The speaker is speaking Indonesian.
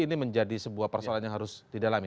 ini menjadi sebuah persoalan yang harus didalami